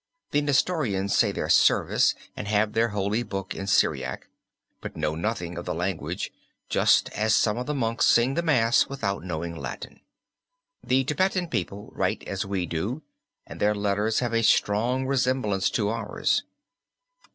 The Nestorians say their service, and have their holy book in Syriac, but know nothing of the language, just as some of our Monks sing the mass without knowing Latin. The Tibet people write as we do, and their letters have a strong resemblance to ours.